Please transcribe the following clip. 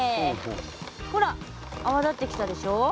ほらあわ立ってきたでしょ？